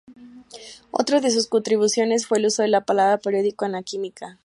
Otra de sus contribuciones fue el uso de la palabra "periódica" en la química.